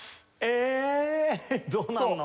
ええどうなるの？